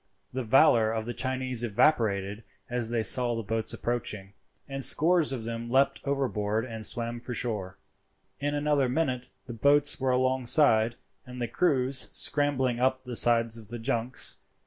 The valour of the Chinese evaporated as they saw the boats approaching, and scores of them leapt overboard and swam for shore. In another minute the boats were alongside and the crews scrambling up the sides of the junks.